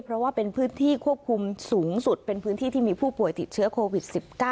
เพราะว่าเป็นพื้นที่ควบคุมสูงสุดเป็นพื้นที่ที่มีผู้ป่วยติดเชื้อโควิด๑๙